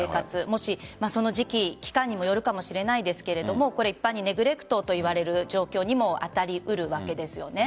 もしその時期期間にもよるかもしれないですが一般にネグレクトといわれる状況にも当たりうるわけですよね。